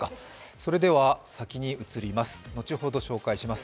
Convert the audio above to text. それでは、先に移ります。